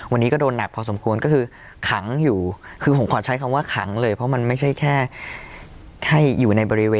วันนี้ก็โดนหนักพอสมควรก็คือขังอยู่